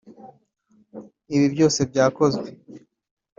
Ibi byose byakozwe